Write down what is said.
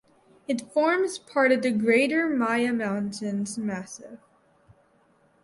It forms part of the greater Maya Mountains massif.